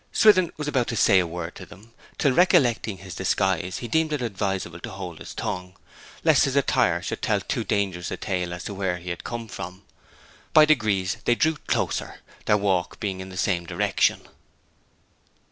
Swithin was about to say a word to them, till recollecting his disguise he deemed it advisable to hold his tongue, lest his attire should tell a too dangerous tale as to where he had come from. By degrees they drew closer, their walk being in the same direction.